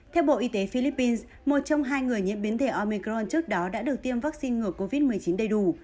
theo bộ y tế philippines một trong hai người nhiễm biến thể omicron trước đó đã được tiêm vaccine ngừa covid một mươi chín đầy đủ